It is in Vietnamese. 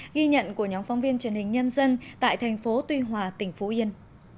ghi nhận của nhóm phóng viên truyền hình nhân dân tại thành phố tuy hòa tỉnh phú yên